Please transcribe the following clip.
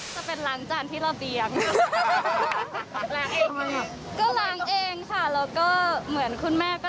แล้วมันก็งานมันยิ่งท้าท้ายขึ้นเรื่อยอะค่ะ